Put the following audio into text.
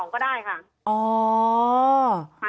มันเป็นอาหารของพระราชา